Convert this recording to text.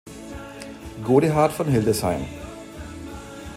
Godehard von Hildesheim.